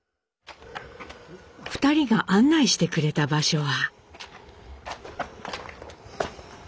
２人が案内してくれた場所は。